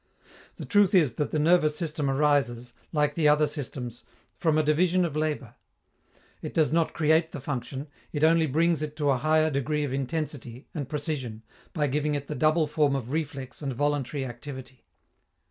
The truth is that the nervous system arises, like the other systems, from a division of labor. It does not create the function, it only brings it to a higher degree of intensity and precision by giving it the double form of reflex and voluntary activity.